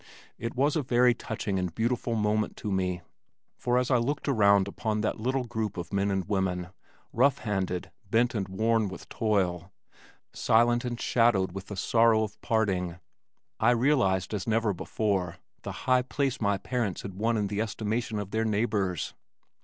It was a very touching and beautiful moment to me, for as I looked around upon that little group of men and women, rough handed, bent and worn with toil, silent and shadowed with the sorrow of parting, I realized as never before the high place my parents had won in the estimation of their neighbors.